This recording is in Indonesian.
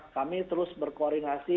kami terus berkoordinasi